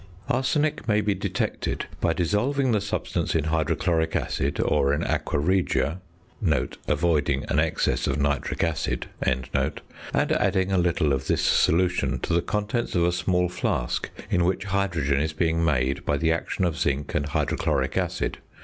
Arsenic may be detected by dissolving the substance in hydrochloric acid, or in aqua regia (avoiding an excess of nitric acid), and adding a little of this solution to the contents of a small flask in which hydrogen is being made by the action of zinc and hydrochloric acid.